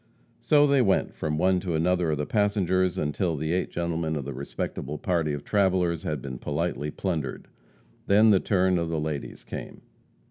So they went from one to another of the passengers, until the eight gentlemen of the respectable party of travellers had been politely plundered. Then the turn of the ladies came.